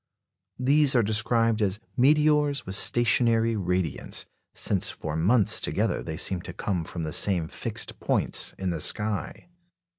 These are described as "meteors with stationary radiants," since for months together they seem to come from the same fixed points in the sky.